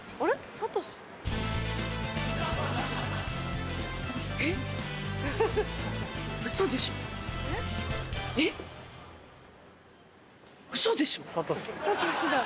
サトシだ。